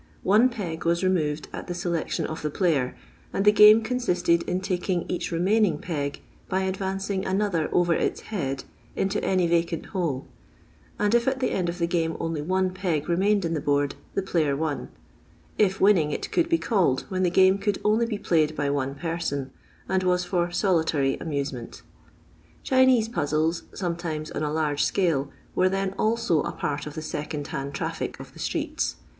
One peg was removed at the selection of the player, and the game consisted in taking each remaining peg, by advancing another over its head into any vacant hule, and if at the end of the game only one peg remained in the board, the pkyer won ; if winning it could be called when the game could only be played by one person, and was for "solitary" amusement. Chinese puzzles, sometimes on a large scale, were then also a part of the second hand traffic of the streets.